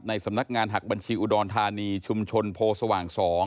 สำนักงานหักบัญชีอุดรธานีชุมชนโพสว่าง๒